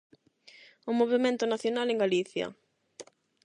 O movemento nacional en Galicia.